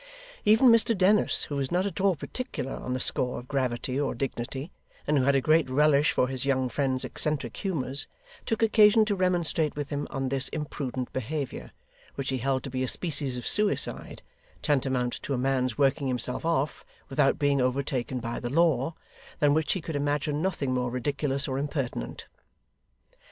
Even Mr Dennis, who was not at all particular on the score of gravity or dignity, and who had a great relish for his young friend's eccentric humours, took occasion to remonstrate with him on this imprudent behaviour, which he held to be a species of suicide, tantamount to a man's working himself off without being overtaken by the law, than which he could imagine nothing more ridiculous or impertinent.